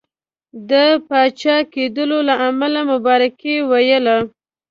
د پاچا کېدلو له امله مبارکي ویلې.